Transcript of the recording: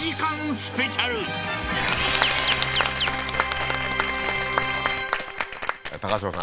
スペシャル嶋さん